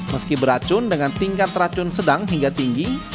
meski beracun dengan tingkat racun sedang hingga tinggi